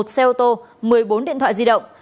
một xe ô tô một mươi bốn điện thoại di động